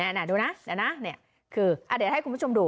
เนี้ยเนี้ยดูน่ะเนี้ยน่ะเนี้ยคืออ่ะเดี๋ยวให้คุณผู้ชมดู